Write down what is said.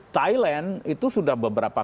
thailand itu sudah beberapa